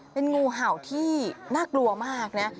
เป็นงูเห่าที่น่ากลัวมากนะ